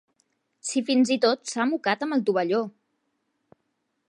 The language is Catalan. Si fins i tot s'ha mocat amb el tovalló!